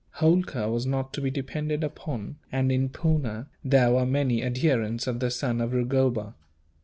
Holkar was not to be depended upon and, in Poona, there were many adherents of the son of Rugoba.